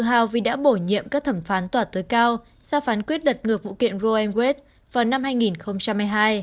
hào vì đã bổ nhiệm các thẩm phán tòa tối cao ra phán quyết đặt ngược vụ kiện roe v wade vào năm